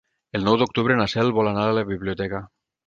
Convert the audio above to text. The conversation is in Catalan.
El nou d'octubre na Cel vol anar a la biblioteca.